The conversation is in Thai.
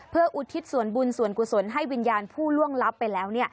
เพื่ออุทิศส่วนบุญส่วนกุศลให้วิญญาณผู้ล่วงลับไปแล้ว